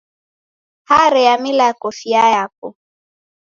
Hare yamila kofia yapo.